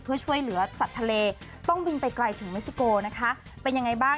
เพื่อช่วยเหลือสัตว์ทะเลต้องบินไปไกลถึงเม็กซิโกนะคะเป็นยังไงบ้าง